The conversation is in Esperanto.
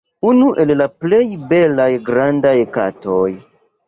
Unu el la plej belaj grandaj katoj.